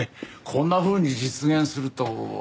こんなふうに実現するとは。